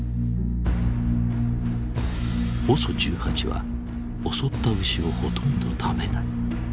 ＯＳＯ１８は襲った牛をほとんど食べない。